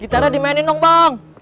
gitarah dimainin dong bang